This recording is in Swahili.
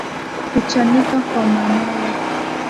Kuchanika kwa manyoya